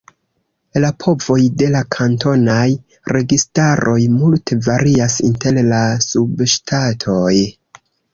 La povoj de la kantonaj registaroj multe varias inter la subŝtatoj.